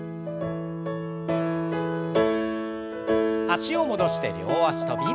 脚を戻して両脚跳び。